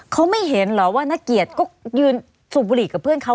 เขาไม่เห็นเหรอว่านักเกียรติก็ยืนสูบบุหรี่กับเพื่อนเขา